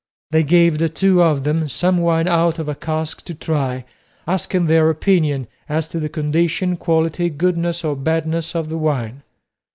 They gave the two of them some wine out of a cask, to try, asking their opinion as to the condition, quality, goodness or badness of the wine.